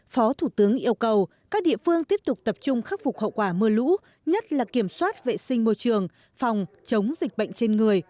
phó thủ tướng trịnh đình dũng đánh giá cao và biểu dương các bộ ngành địa phương và người dân đã tích cực phòng chống thiệt hại